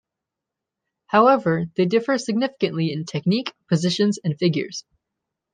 However, they differ significantly in technique, positions, and figures.